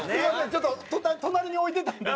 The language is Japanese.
ちょっと隣に置いてたんで。